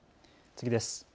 次です。